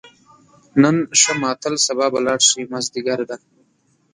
نن شه ماتل سبا به لاړ شې، مازدیګر ده